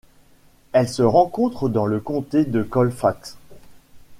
Elle se rencontre dans le comté de Colfax.